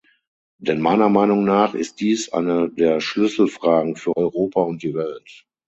Denn meiner Meinung nach ist dies eine der Schlüsselfragen für Europa und die Welt.